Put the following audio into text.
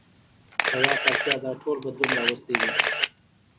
د واک اړتیا دا ټول بدلون راوستی دی.